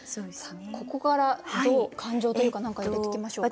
ここからどう感情というか何か入れていきましょうか。